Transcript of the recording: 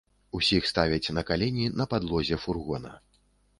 Усіх ставяць на калені на падлозе фургона.